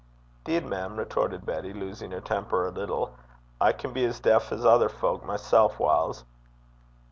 ''Deed, mem,' retorted Betty, losing her temper a little, 'I can be as deif 's ither fowk mysel' whiles.'